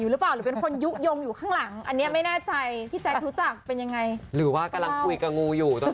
ร้องเพลงด้วยกันหน่อย